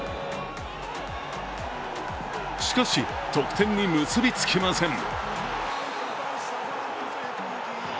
しかし、得点に結び付きません。